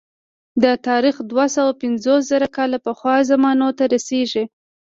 دا تاریخ دوه سوه پنځوس زره کاله پخوا زمانو ته رسېږي